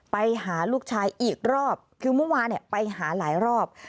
ไปหาลูกชายอีกรอบคือเมื่อวานไปหาหลายรอบ